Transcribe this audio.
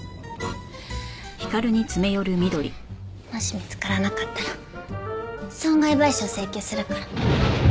もし見つからなかったら損害賠償請求するから。